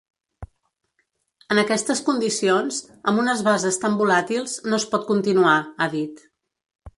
En aquestes condicions, amb unes bases tan volàtils, no es pot continuar –ha dit–.